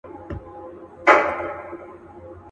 د رنځونو ورته مخ صورت پمن سو.